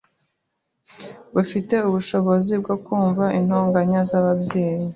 bufite ubushobozi bwo kumva intonganya z’ababyeyi.